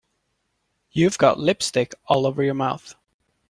You've got lipstick all over your mouth.